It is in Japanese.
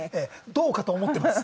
どうかと思っています。